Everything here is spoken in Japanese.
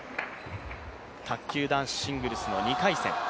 卓球男子シングルスの２回戦。